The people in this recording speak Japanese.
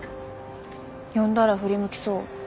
呼んだら振り向きそう。